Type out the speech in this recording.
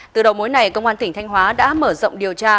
từ đầu mối này công an tỉnh thanh hóa đã mở rộng điều tra